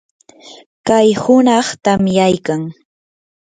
kay hunaq tamyaykan.